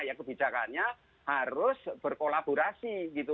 ya kebijakannya harus berkolaborasi gitu